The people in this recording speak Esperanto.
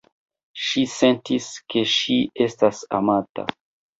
Ŝi sentis, ke ŝi estas amata.